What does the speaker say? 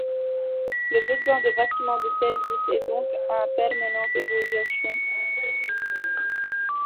Le besoin de bâtiments de services est donc en permanente évolution.